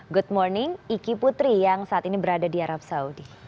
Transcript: good morning iki putri yang saat ini berada di arab saudi